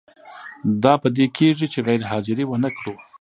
دا په دې کیږي چې غیر حاضري ونه کړو.